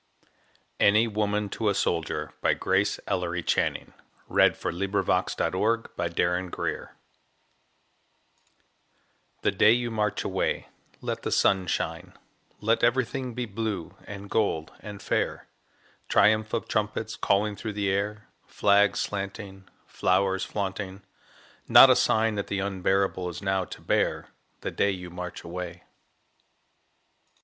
ANY WOMAN TO A SOLDIER GRACE ELLERY CHANNING [Sidenote: 1917, 1918] The day you march away let the sun shine, Let everything be blue and gold and fair, Triumph of trumpets calling through bright air, Flags slanting, flowers flaunting not a sign That the unbearable is now to bear, The day you march away.